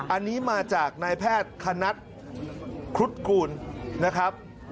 อันนี้มาจากนายแพทย์คณัฐครุฑกูลนะครับ